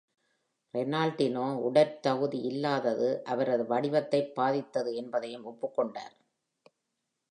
Ronaldinho, உடற்தகுதி இல்லாதது அவரது வடிவத்தை பாதித்தது என்பதையும் ஒப்புக்கொண்டார்.